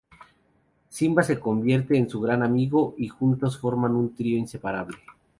Simba se convierte en su gran amigo y juntos forman un trío inseparable.